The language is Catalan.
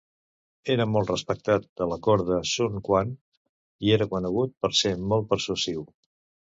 Era molt respectat a la cort de Sun Quan i era conegut per ser molt persuasiu.